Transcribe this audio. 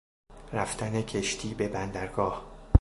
رفتن کشتی به بندرگاه